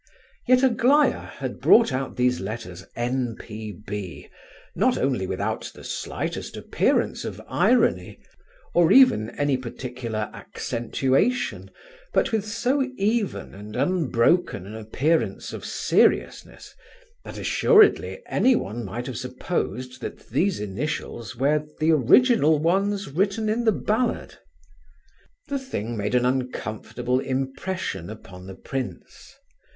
Yet Aglaya had brought out these letters N. P. B. not only without the slightest appearance of irony, or even any particular accentuation, but with so even and unbroken an appearance of seriousness that assuredly anyone might have supposed that these initials were the original ones written in the ballad. The thing made an uncomfortable impression upon the prince.